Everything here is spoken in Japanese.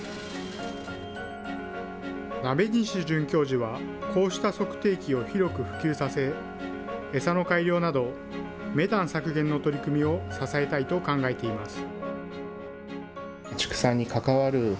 鍋西准教授は、こうした測定器を広く普及させ、餌の改良など、メタン削減の取り組みを支えたいと考えています。